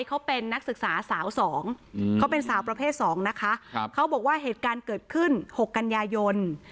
เขาบอกว่าเหตุการณ์เกิดขึ้น๖กัญญาโยน